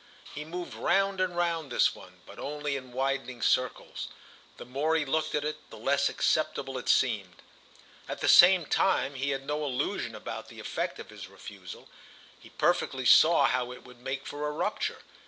He moved round and round this one, but only in widening circles—the more he looked at it the less acceptable it seemed. At the same time he had no illusion about the effect of his refusal; he perfectly saw how it would make for a rupture.